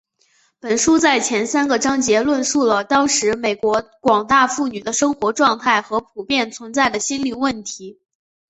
本书在前三个章节论述了当时美国广大妇女的生活状态和普遍存在的心理问题。